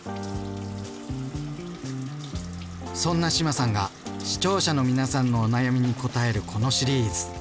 そんな志麻さんが視聴者の皆さんのお悩みに応えるこのシリーズ。